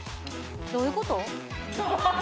どういうこと？